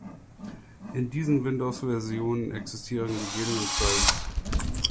In diesen Windows-Versionen existieren ggf.